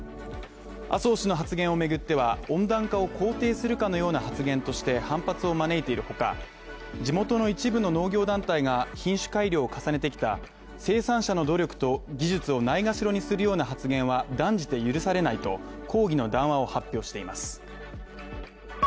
麻生氏の発言を巡っては、温暖化を肯定するかのような発言として反発を招いているほか、地元の一部の農業団体が品種改良を重ねてきた生産者の努力と技術をないがしろにするような発言は断じて許されないと、抗議の談話を発表しています。